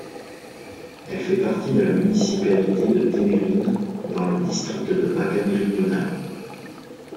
Elle fait partie de la municipalité de Temerin, dans le district de Bačka méridionale.